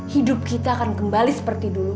hidup kita akan kembali seperti dulu